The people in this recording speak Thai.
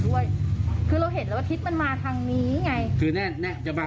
ด้วยคือเราเห็นแล้วว่าทิศมันมาทางนี้ไงคือแน่นแน่นจะมา